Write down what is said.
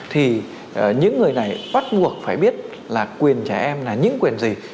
thì những người này bắt buộc phải biết là quyền trẻ em là những quyền gì